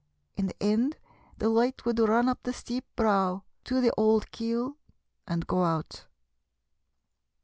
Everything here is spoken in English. In the end the light would run up the steep brow to the old Keeill, and go out.